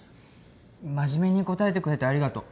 真面目に答えてくれてありがとう。